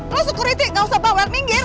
lo sekuriti gak usah bawa yang minggir